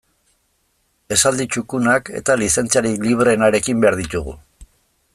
Esaldi txukunak eta lizentziarik libreenarekin behar ditugu.